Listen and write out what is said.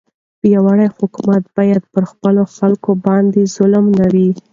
پیاوړی حکومت باید پر خپلو خلکو باندې ظالم نه وي.